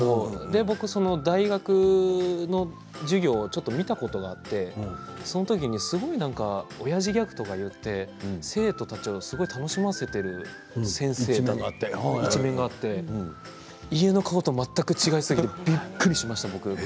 大学の授業をちょっと見たことがあってその時に、すごくおやじギャグとかを言って生徒たちを楽しませている先生だったとそういう一面が家の顔と全く違いすぎてびっくりしました。